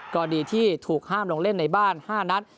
ก็ดีที่ถูกห้ามลงเล่นในบ้าน๕นัด